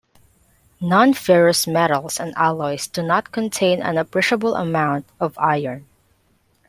Non-ferrous metals and alloys do not contain an appreciable amount of iron.